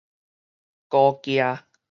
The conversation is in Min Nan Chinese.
高崎